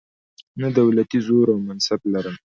نه دولتي زور او منصب لرم.